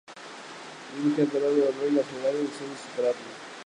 El libro gira alrededor del dolor y la soledad y el deseo de superarlo.